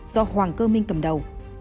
do hoàng cơ minh cầm đầu